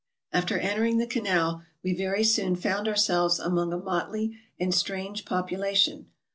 After entering the canal, we very soon found ourselves among a motley and strange population.